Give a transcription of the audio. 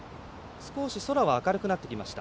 少し、空は明るくなってきました。